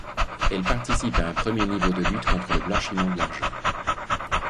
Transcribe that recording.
Elle participe à un premier niveau de lutte contre le blanchiment de l'argent.